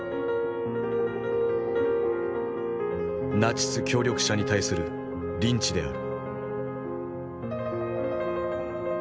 ナチス協力者に対するリンチである。